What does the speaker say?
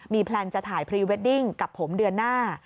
แพลนจะถ่ายพรีเวดดิ้งกับผมเดือนหน้า